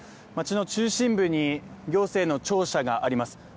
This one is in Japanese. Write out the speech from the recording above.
街の中心部に行政の庁舎があります。